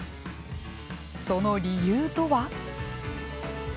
その理由とは？